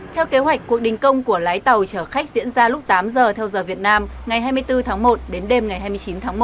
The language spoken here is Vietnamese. theo kế hoạch cuộc đình công của lái tàu chở khách diễn ra lúc tám giờ theo giờ việt nam ngày hai mươi bốn tháng một đến đêm ngày hai mươi chín tháng một